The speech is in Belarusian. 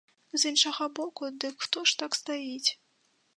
З іншага боку, ды хто ж так стаіць?